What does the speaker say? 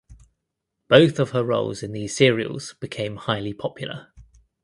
Both of her roles in these serials became highly popular.